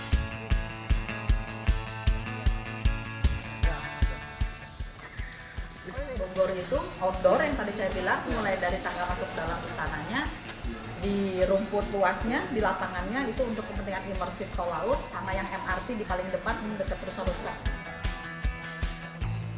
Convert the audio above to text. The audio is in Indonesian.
sama yang mrt di paling depan dan dekat rusak rusak